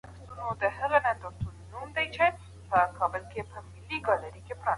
ټکنالوژي د کرنې په پرمختګ کې مهم رول لوبوي.